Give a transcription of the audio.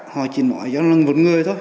họ chỉ nói là một người thôi